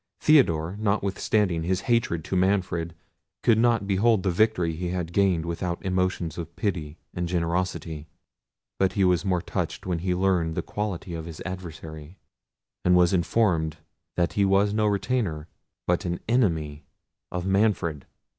Theodore, notwithstanding his hatred to Manfred, could not behold the victory he had gained without emotions of pity and generosity. But he was more touched when he learned the quality of his adversary, and was informed that he was no retainer, but an enemy, of Manfred.